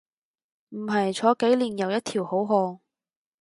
唔係，坐幾年又一條好漢